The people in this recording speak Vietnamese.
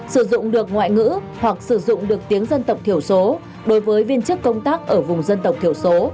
sử dụng được ngoại ngữ hoặc sử dụng được tiếng dân tộc thiểu số đối với viên chức công tác ở vùng dân tộc thiểu số